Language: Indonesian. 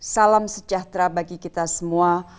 salam sejahtera bagi kita semua